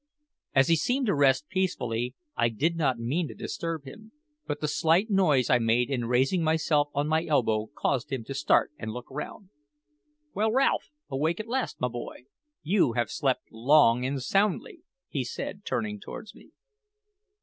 As he seemed to rest peacefully, I did not mean to disturb him; but the slight noise I made in raising myself on my elbow caused him to start and look round. "Well, Ralph, awake at last, my boy? You have slept long and soundly," he said, turning towards me.